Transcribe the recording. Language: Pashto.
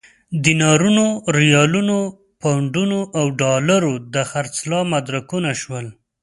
دینارونو، ریالونو، پونډونو او ډالرو د خرڅلاو مدرکونه شول.